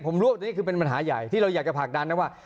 ผมรู้ว่านี่คือเป็นปัญหาใหญ่ที่เราอยากจะผลักดันนะว่า